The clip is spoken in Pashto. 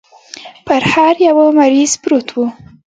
پر هر يوه مريض پروت و.